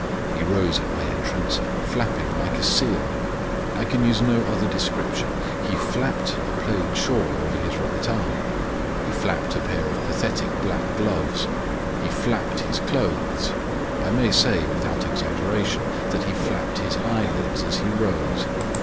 He rose at my entrance, flapping like a seal; I can use no other description. He flapped a plaid shawl over his right arm; he flapped a pair of pathetic black gloves; he flapped his clothes; I may say, without exaggeration, that he flapped his eyelids, as he rose.